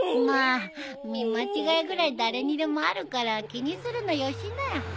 まあ見間違えぐらい誰にでもあるから気にするのよしなよ。